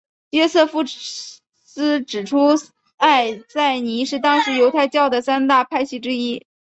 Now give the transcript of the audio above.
约瑟夫斯指出艾赛尼是当时犹太教的三大派系之一。